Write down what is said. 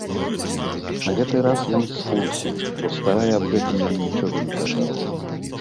На гэты раз ён схлусіў, бо старая аб гэтым яму нічога не казала.